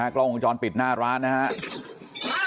กล้องวงจรปิดหน้าร้านนะครับ